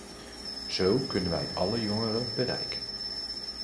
Zo kunnen wij alle jongeren bereiken.